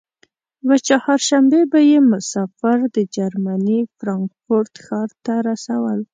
یوه چهارشنبه به یې مسافر د جرمني فرانکفورت ښار ته رسول.